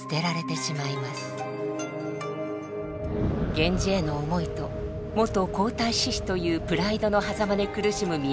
源氏への想いと元皇太子妃というプライドの狭間で苦しむ御息所。